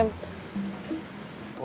mereka gak nanya